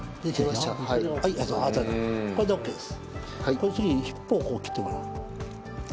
この次に尻尾を切ってもらう。